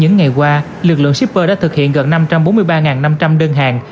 những ngày qua lực lượng shipper đã thực hiện gần năm trăm bốn mươi ba năm trăm linh đơn hàng